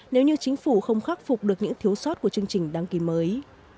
nếu như chính phủ không khắc phục được những thiếu sót của chương trình đăng ký mới